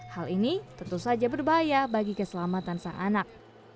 hal ini tentu saja berbahaya bagi keselamatan sang anak